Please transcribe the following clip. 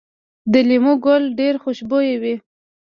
د لیمو ګل ډیر خوشبويه وي؟